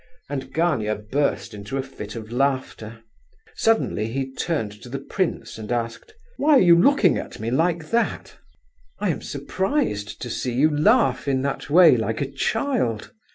And Gania burst into a fit of laughter. Suddenly he turned to the prince and asked: "Why are you looking at me like that?" "I am surprised to see you laugh in that way, like a child.